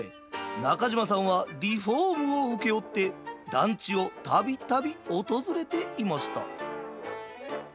中島さんはリフォームを請け負って団地をたびたび訪れていました。